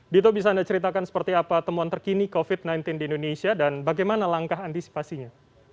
dito bisa anda ceritakan seperti apa temuan terkini covid sembilan belas di indonesia dan bagaimana langkah antisipasinya